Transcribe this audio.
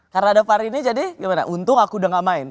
karena ada far ini jadi gimana untung aku udah gak main